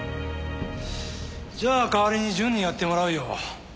じゃあ代わりに淳にやってもらうよ。